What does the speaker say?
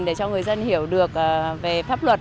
để cho người dân hiểu được về pháp luật